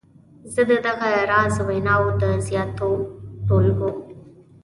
زه د دغه راز ویناوو د زیاتو ټولګو.